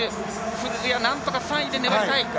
古屋、なんとか３位で粘りたい。